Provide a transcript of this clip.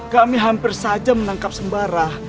kami hampir saja menangkap sembarah